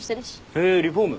へぇリフォーム？